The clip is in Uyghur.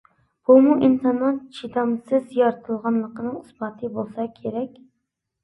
بۇمۇ ئىنساننىڭ چىدامسىز يارىتىلغانلىقىنىڭ ئىسپاتى بولسا كېرەك.